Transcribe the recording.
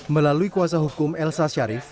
melalui kuasa hukum elsa sharif